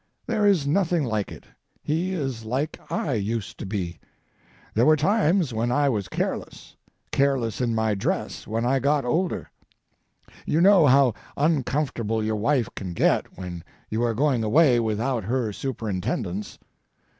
There is nothing like it. He is like I used to be. There were times when I was careless—careless in my dress when I got older. You know how uncomfortable your wife can get when you are going away without her superintendence.